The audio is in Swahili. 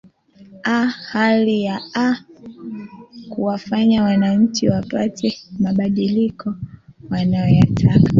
aa hali ya aa kuwafanya wananchi wapate mabadiliko wanayotaka